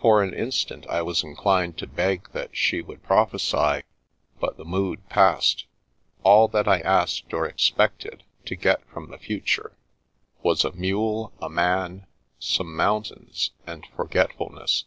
For an instant I was inclined to beg that she would prophesy, but the mood passed. All that I asked or expected to get from the future was a mule, a man, some mountains, and forgetfulness.